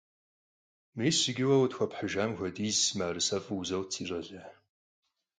Mis yicı vue khıtxuephıjjam xuediz mı'erısef'u vuzot, si ş'ale.